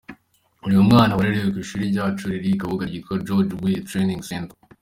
Ni umwana warerewe mu ishuri ryacu riri i Kabuga ryitwa ‘George Weah Training center’.